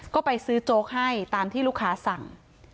ก็ไปซื้อโจ๊กให้ตามที่ลูกค้าสั่ง